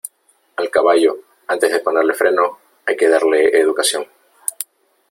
Al caballo, antes de ponerle freno, hay que darle educación.